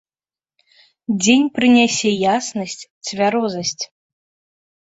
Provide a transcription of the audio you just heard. Дзень прынясе яснасць, цвярозасць.